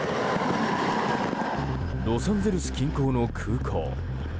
ロサンゼルス近郊の空港。